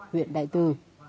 huyện đại từ